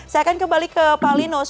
saya akan kembali ke pak linus